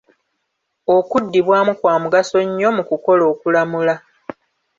Okuddibwamu kwa mugaso nnyo mu kukola okulamula.